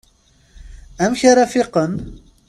Amek ara fiqen?